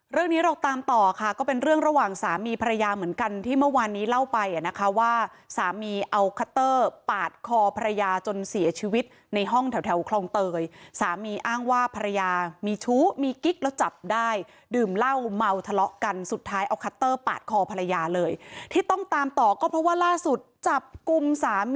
เรื่องนี้เราตามต่อค่ะก็เป็นเรื่องระหว่างสามีภรรยาเหมือนกันที่เมื่อวานนี้เล่าไปอ่ะนะคะว่าสามีเอาคัตเตอร์ปาดคอภรรยาจนเสียชีวิตในห้องแถวแถวคลองเตยสามีอ้างว่าภรรยามีชู้มีกิ๊กแล้วจับได้ดื่มเหล้าเมาทะเลาะกันสุดท้ายเอาคัตเตอร์ปาดคอภรรยาเลยที่ต้องตามต่อก็เพราะว่าล่าสุดจับกลุ่มสามี